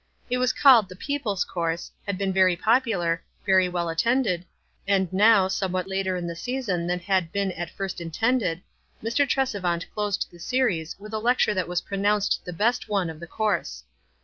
It was called the "People's Course," had been very popular, very well attended, and now, somewhat later in the season than had been at first intended, Mr. Tresevant closed the series with a lecture that was pronounced the best one of the course.